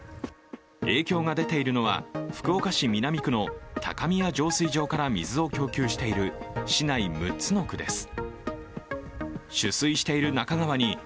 影響が出ているのは福岡市南区の高宮浄水場から水を供給している市内６つの区です。